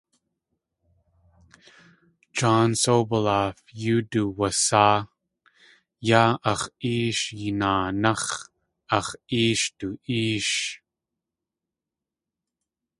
John Soboleff yóo duwasáa - yaa ax̲ éesh yinaanáx̲, ax̲ éesh du éesh.